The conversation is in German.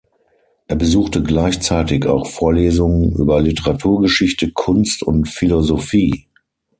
Er besuchte gleichzeitig auch Vorlesungen über Literaturgeschichte, Kunst und Philosophie.